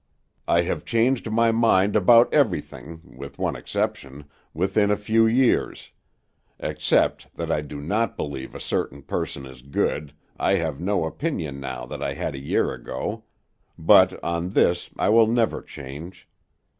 "I have changed my mind about everything, with one exception, within a few years, except that I do not believe a certain person is good, I have no opinion now that I had a year ago, but on this I will never change.